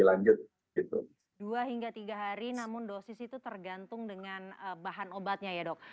dua hingga tiga hari namun dosis itu tergantung dengan bahan obatnya ya dok